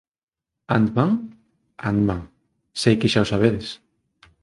Ant-Man? Ant-Man, sei que xa o sabedes.